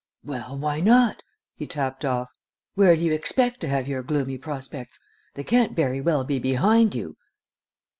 "Well, why not?" he tapped off. "Where do you expect to have your gloomy prospects? They can't very well be behind you."